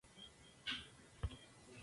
Esto es pues, un sustituto del Walkman.